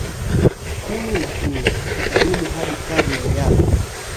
Kumi na nne ikadumu hadi karne ya